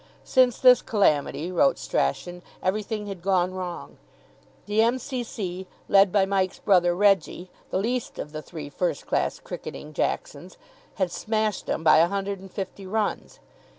Since this calamity, wrote Strachan, everything had gone wrong. The M.C.C., led by Mike's brother Reggie, the least of the three first class cricketing Jacksons, had smashed them by a hundred and fifty runs.